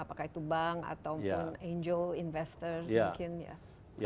apakah itu bank ataupun angel investor mungkin ya